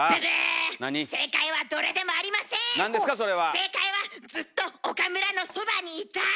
正解はずっと岡村のそばにイタイ！